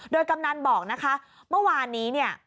โดยกำนันบอกนะคะเมื่อวานนี้เนี่ย